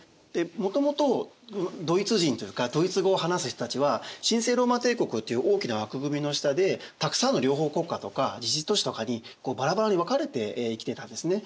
もともとドイツ人というかドイツ語を話す人たちは神聖ローマ帝国という大きな枠組みの下でたくさんの領邦国家とか自治都市とかにバラバラに分かれて生きてたんですね。